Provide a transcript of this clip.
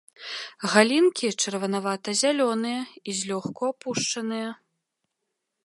Галінкі чырванавата-зялёныя і злёгку апушчаныя.